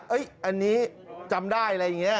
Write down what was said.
อันนี้จำได้อะไรอย่างนี้